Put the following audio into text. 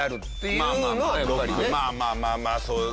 まあまあまあまあまあそうか。